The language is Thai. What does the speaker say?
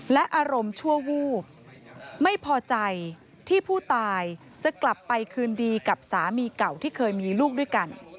และอารมณ์ชั่ววูบไม่พอใจที่ผู้ตายจะกลับไปคืนดีกับสามีเก่าที่เคยมีลูกด้วยกัน